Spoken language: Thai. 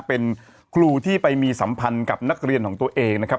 เป็นครูที่ไปมีสัมพันธ์กับนักเรียนของตัวเองนะครับ